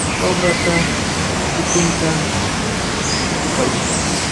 Wamrata chukunta chukupay.